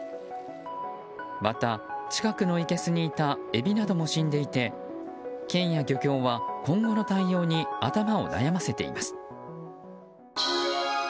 また近くの生簀にいたエビなども死んでいて県や漁協は今後の対応に頭を悩ませています。